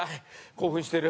興奮してる？